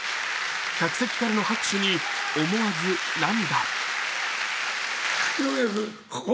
客席からの拍手に思わず涙。